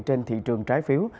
trên thị trường trái phiếu